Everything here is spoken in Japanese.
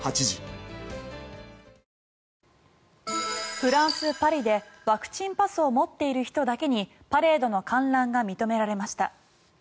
フランス・パリでワクチンパスを持っている人だけにパレードの観覧が認められました。